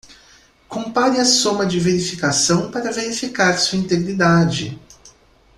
Compare a soma de verificação para verificar sua integridade.